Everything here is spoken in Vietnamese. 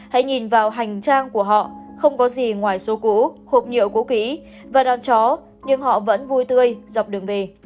hãy nhìn vào hành trang của họ không có gì ngoài số cũ hộp nhựa cũ kỹ và đón chó nhưng họ vẫn vui tươi dọc đường về